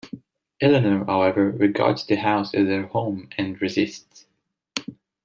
Eleanor, however, regards the house as her home and resists.